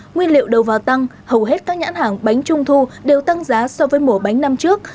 nguyên liệu đầu vào tăng hầu hết các nhãn hàng bánh trung thu đều tăng giá so với mổ bánh năm trước